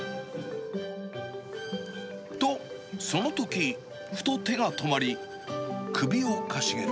と、そのとき、ふと、手が止まり、首をかしげる。